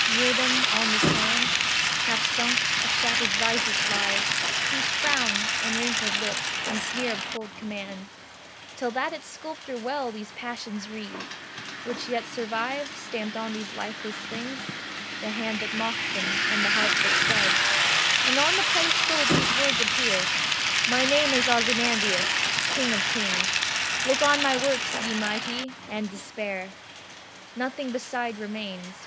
. Near them, on the sand, Half sunk, a shattered visage lies, whose frown, And wrinkled lip, and sneer of cold command, Tell that its sculptor well those passions read Which still survive, stamped on these lifeless things, The hand that mocked them, and the heart that fed; And on the pedestal these words appear: "My name is Ozymandias, king of kings: Look on my works, ye Mighty, and despair!" Nothing beside remains.